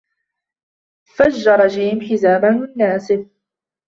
فجّر جيم حزامه النّاسف.